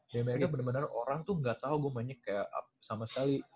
di amerika bener bener orang tuh gak tau gue banyak kayak sama sekali